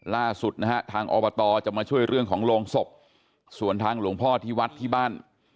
ล่าสุดนะฮะทางอบตจะมาช่วยเรื่องของโรงศพส่วนทางหลวงพ่อที่วัดที่บ้าน